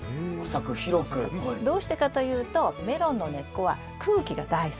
どうしてかというとメロンの根っこは空気が大好き。